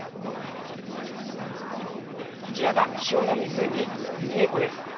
こちらが塩の湖、オルミエ湖です。